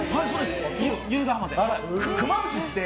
由比ヶ浜で。